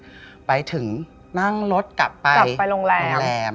จะไปไปถึงนั่งรถกลับไปลงแรม